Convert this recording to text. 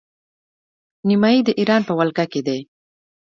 نیمايي د ایران په ولکه کې دی.